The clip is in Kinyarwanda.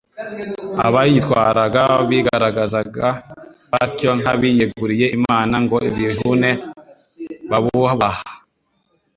Abayitwaraga bigaragazaga batyo nk'abiyeguriye Imana ngo bihune babubaha.